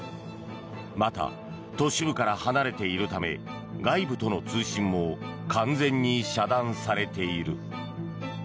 また都市部から離れているため外部との通信も完全に遮断されている。